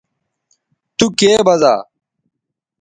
تو کے بزا